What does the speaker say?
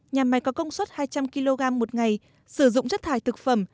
nhà máy có công suất hai trăm linh kg một ngày sử dụng chất thải thực phẩm